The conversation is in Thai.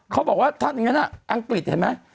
เขาบอกว่าถ้าอย่างนั้นอังกฤษเห็นไหม